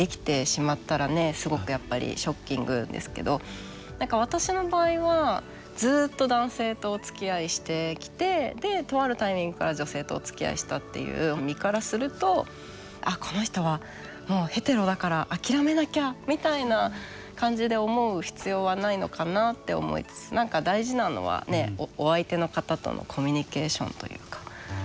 すごくやっぱりショッキングですけど私の場合はずっと男性とおつきあいしてきてとあるタイミングから女性とおつきあいしたっていう身からするとあっこの人はもうヘテロだから諦めなきゃみたいな感じで思う必要はないのかなって思いつつ大事なのはお相手の方とのコミュニケーションというか。